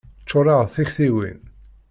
Ččureɣ d tiktiwin.